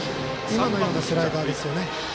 今のようなスライダーですよね。